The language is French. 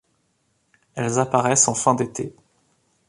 Elles apparaissent en fin d'été.